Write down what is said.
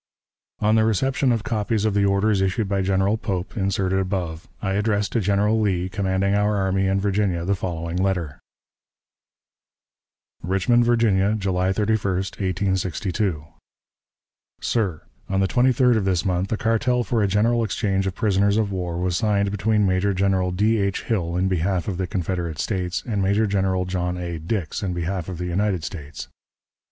On the reception of copies of the orders issued by General Pope, inserted above, I addressed to General Lee, commanding our army in Virginia, the following letter: "RICHMOND, VIRGINIA, July 31, 1862. "SIR: On the 23d of this month a cartel for a general exchange of prisoners of war was signed between Major General D. H. Hill, in behalf of the Confederate States, and Major General John A. Dix, in behalf of the United States.